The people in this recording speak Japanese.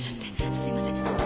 すいません。